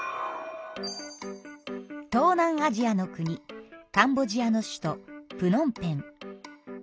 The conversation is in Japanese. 東南アジアの国カンボジアの首都プノンペン。